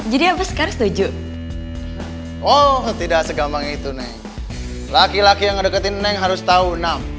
jadi apa sekarang setuju oh tidak segampang itu neng laki laki yang deketin neng harus tahu enam